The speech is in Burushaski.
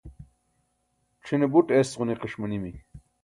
c̣ʰine buṭ es ġuniqiṣ manimi